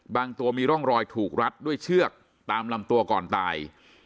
ตัวมีร่องรอยถูกรัดด้วยเชือกตามลำตัวก่อนตาย